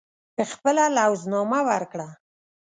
خپله لوز نامه ورکړه.